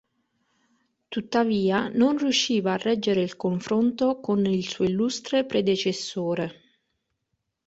Tuttavia non riusciva a reggere il confronto con il suo illustre predecessore.